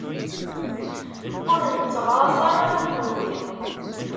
Ur netteɣraṣ ara am kenwi.